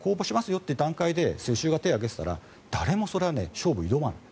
よって段階で世襲が手を挙げていたら誰もそれは勝負を挑まない。